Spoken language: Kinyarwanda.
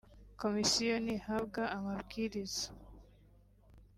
Komisiyo ntihabwa amabwiriza